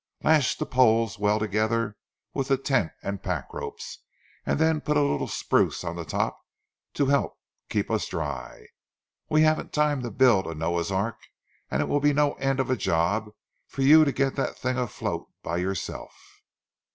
Lash the poles well together with the tent and pack ropes, and put a little spruce on the top to help us keep dry. We haven't time to build a Noah's Ark, and it will be no end of a job for you to get the thing afloat by yourself."